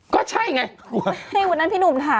ก็ใช่ไง